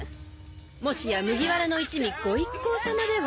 もしや麦わらの一味ご一行さまでは？